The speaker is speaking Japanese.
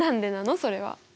それは。